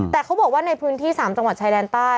แต่เขาบอกว่าในพื้นที่๓จังหวัดชายแดนใต้